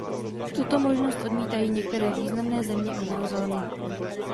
Tuto možnost odmítají některé významné země eurozóny.